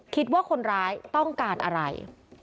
คิดว่าคนร้ายต้องการอะไร